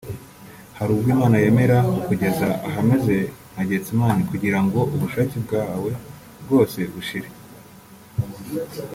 Hari ubwo Imana yemera kukugeza ahameze nka Getsemani kugira ngo ubushake bwawe bwose bushire